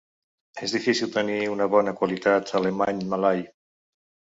És difícil tenir una bona qualitat alemany-malai!